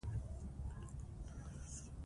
په افغانستان کې د کلي تاریخ اوږد دی.